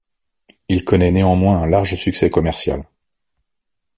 Il connait néanmoins un large succès commercial.